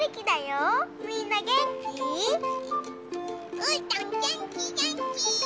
うーたんげんきげんき！